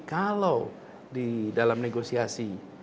kalau di dalam negosiasi